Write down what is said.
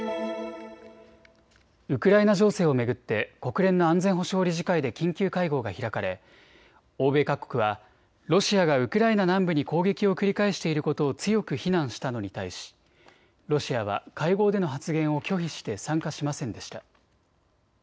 ウクライナ情勢を巡って国連の安全保障理事会で緊急会合が開かれ欧米各国はロシアがウクライナ南部に攻撃を繰り返していることを強く非難したのに対しロシアは会合での発言を拒否して参加しませんでした。